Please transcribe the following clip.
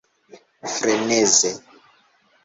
freneze